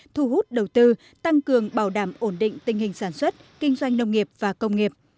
thu hút đầu tư tăng cường bảo đảm ổn định tình hình sản xuất kinh doanh nông nghiệp và công nghiệp